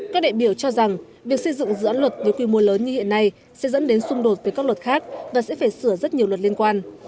các đại biểu cho rằng việc xây dựng dự án luật với quy mô lớn như hiện nay sẽ dẫn đến xung đột với các luật khác và sẽ phải sửa rất nhiều luật liên quan